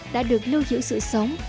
đã được lưu giữ sự sống